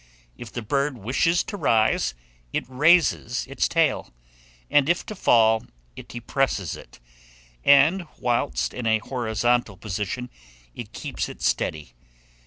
If the bird wishes to rise, it raises its tail; and if to fall, it depresses it; and, whilst in a horizontal position, it keeps it steady.